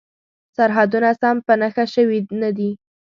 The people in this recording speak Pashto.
سرحدونه سم په نښه شوي نه دي.